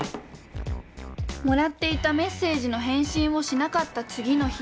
もらっていたメッセージの返信をしなかった次の日。